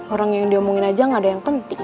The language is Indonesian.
orang yang diomongin aja gak ada yang penting